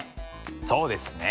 そうですね。